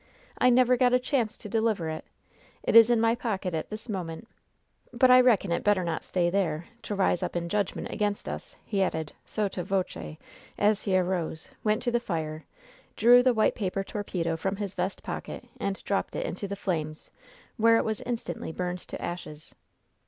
"I never got a chance to deliver it. It is in my pocket at this moment. But I reckon it better not stay there, to rise up in judgment against us," he added, sotto voce, as he arose, went to the fire, drew the white paper torpedo from his vest pocket and dropped it into the flames, where it was instantly burned to ashes.